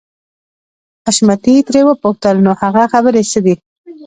حشمتي ترې وپوښتل نو هغه خبرې څه دي.